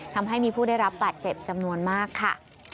ทำให้มีผู้ได้รับบาดเจ็บจำนวนมากค่ะ